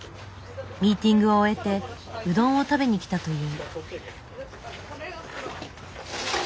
ミーティングを終えてうどんを食べに来たという。